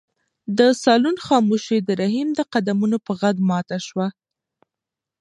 د صالون خاموشي د رحیم د قدمونو په غږ ماته شوه.